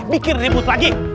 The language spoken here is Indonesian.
bikin ribut lagi